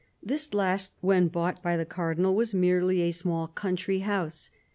This last, when bought by the Cardinal, was merely a small country house.